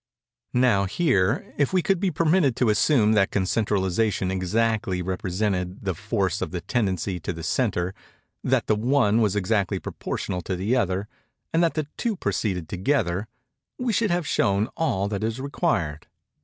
Now here, if we could be permitted to assume that concentralization exactly represented the force of the tendency to the centre—that the one was exactly proportional to the other, and that the two proceeded together—we should have shown all that is required.